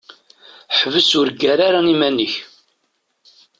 Ḥbes ur ggar ara iman-ik.